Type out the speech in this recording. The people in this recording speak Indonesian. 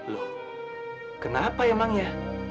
loh kenapa emang ya